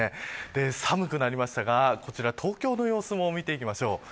寒くなりましたが東京の様子も見ていきましょう。